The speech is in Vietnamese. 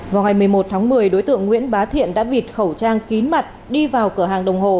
vào ngày một mươi một tháng một mươi đối tượng nguyễn bá thiện đã bịt khẩu trang kín mặt đi vào cửa hàng đồng hồ